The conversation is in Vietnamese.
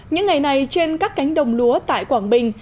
những ngày này trên các cánh đồng lúa tại quảng bình